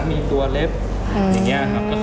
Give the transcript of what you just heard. คุณต้องไปคุยกับทางเจ้าหน้าที่เขาหน่อย